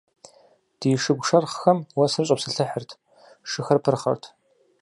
Ди шыгу шэрхъхэм уэсыр щӀэпсэлъыкӀырт, шыхэр пырхъырт.